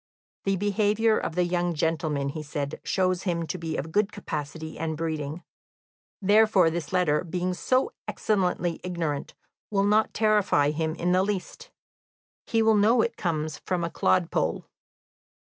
"The behaviour of the young gentleman," he said, "shows him to be of good capacity and breeding; therefore this letter, being so excellently ignorant, will not terrify him in the least; he will know it comes from a clodpole.